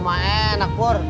rumah enak pur